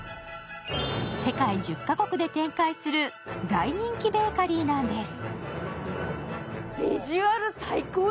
世界１０か国で展開する大人気ベーカリーなんです。